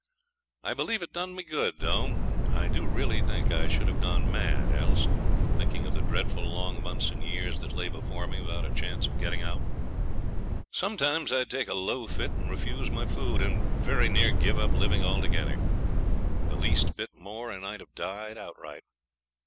I believe it done me good, though. I do really think I should have gone mad else, thinking of the dreadful long months and years that lay before me without a chance of getting out. Sometimes I'd take a low fit and refuse my food, and very near give up living altogether. The least bit more, and I'd have died outright.